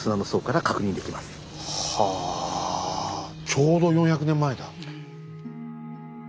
ちょうど４００年前だ。